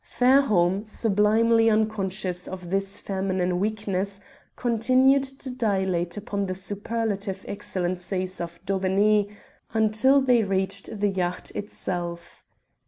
Fairholme, sublimely unconscious of this feminine weakness, continued to dilate upon the superlative excellences of Daubeney until they reached the yacht itself.